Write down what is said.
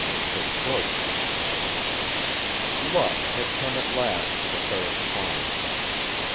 The Choice Luck had come at last to the Ferris farm.